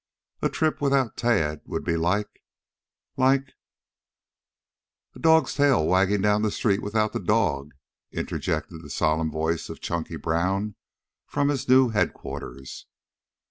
A trip without Tad would be like like " "A dog's tail wagging down the street without the dog," interjected the solemn voice of Chunky Brown from his new headquarters.